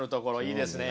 いいですね。